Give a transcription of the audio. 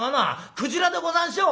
「鯨でござんしょう」。